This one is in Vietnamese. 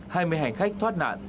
hai mươi hành khách thoát nạn